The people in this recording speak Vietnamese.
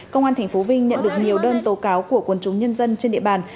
công an tp vinh nhận được nhiều đơn tố cáo của quân chúng nhân dân trên địa bàn